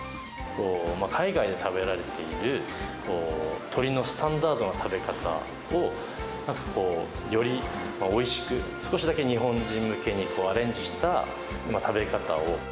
海外で食べられている鶏のスタンダードな食べ方をなんかこう、よりおいしく、少しだけ日本人向けにアレンジした食べ方を。